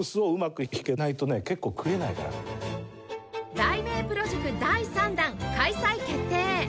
題名プロ塾第３弾開催決定